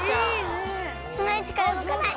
その位置から動かない。